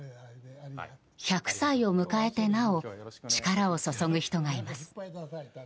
１００歳を迎えてなお力を注ぐ人がいます。